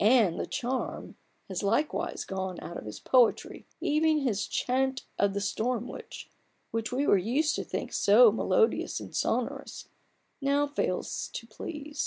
And the charm has likewise gone out of his poetry : even his Chaunt of the Storm Witch," which we were used to think so melodious and sonorous, now fails to please.